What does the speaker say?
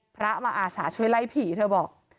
พระมาอาสาช่วยไล่ผีเธอบอก